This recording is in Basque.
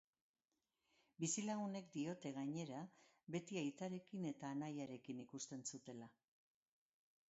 Bizilagunek diote gainera, beti aitarekin eta anaiarekin ikusten zutela.